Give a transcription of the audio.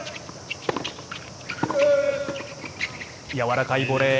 やわらかいボレー。